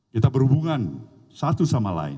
kita berhubungan satu sama lain